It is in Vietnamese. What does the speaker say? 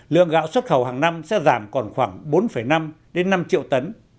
lượng gạo xuất khẩu hàng năm sẽ giảm còn khoảng bốn năm triệu tấn